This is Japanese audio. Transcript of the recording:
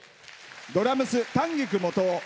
ドラムス、丹菊基雄。